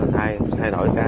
thay đổi ca